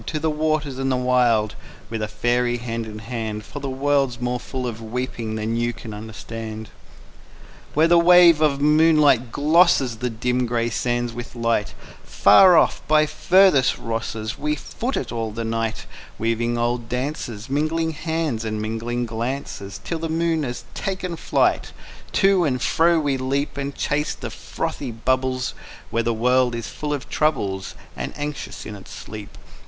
To the waters and the wild With a faery, hand in hand, For the world's more full of weeping than you can understand._ Where the wave of moonlight glosses The dim gray sands with light, Far off by furthest Rosses We foot it all the night, Weaving olden dances, Mingling hands and mingling glances Till the moon has taken flight; To and fro we leap And chase the frothy bubbles, While the world is full of troubles And is anxious in its sleep.